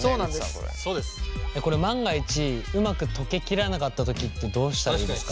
これ万が一うまく溶けきらなかった時ってどうしたらいいですか？